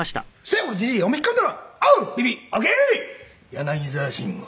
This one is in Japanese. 「柳沢慎吾」